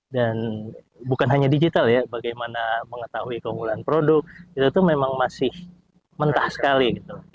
dan bukan hanya digital ya bagaimana mengetahui keunggulan produk itu memang masih mentah sekali